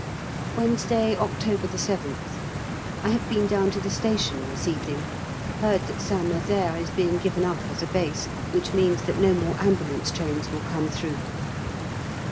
Wednesday, October 7th. I have been down to the station this evening; heard that St Nazaire is being given up as a base, which means that no more ambulance trains will come through.